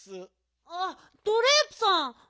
あっドレープさん。